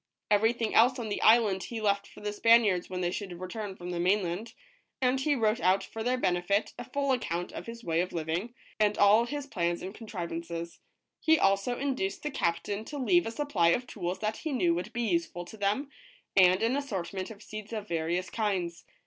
Every thing else on the island he left for the Spaniards when they should return from the mainland, and he wrote out for their benefit a full account of his way of living, and all his plans and contrivances. He also induced the captain to leave a supply of tools that he knew would be useful to them, and an assortment of seeds of various kinds.